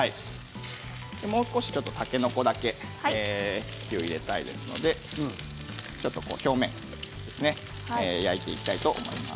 もう少し、たけのこだけ火を入れたいので表面ですね焼いていきたいと思います。